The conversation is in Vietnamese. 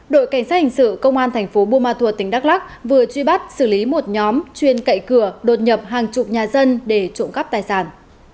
đội cảnh sát hành sự công an tp bumathua tỉnh đắk lắc vừa truy bắt xử lý một nhóm chuyên cậy cửa đột nhập hàng chục nhà dân để trộm cắp tài sản